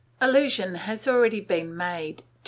Allusion has already been made (Vol.